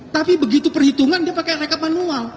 tapi begitu perhitungan dia pakai rekap manual